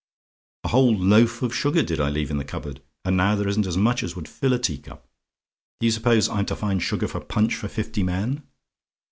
A whole loaf of sugar did I leave in the cupboard, and now there isn't as much as would fill a teacup. Do you suppose I'm to find sugar for punch for fifty men?